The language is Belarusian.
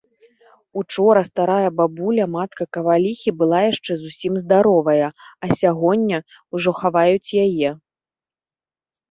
Учора старая бабуля, матка каваліхі, была яшчэ зусім здаровая, а сягоння ўжо хаваюць яе.